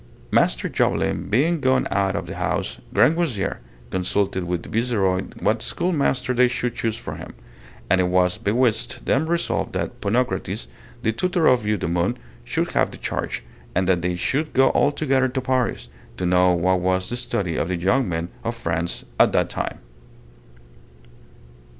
Master Jobelin being gone out of the house, Grangousier consulted with the Viceroy what schoolmaster they should choose for him, and it was betwixt them resolved that Ponocrates, the tutor of Eudemon, should have the charge, and that they should go altogether to Paris, to know what was the study of the young men of France at that time.